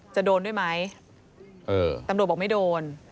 จะโดนด้วยไหมตำรวจบอกไม่โดน